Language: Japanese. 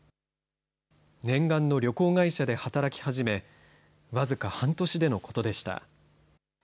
念願の旅行会社で働き始め、僅か半年でのことでした。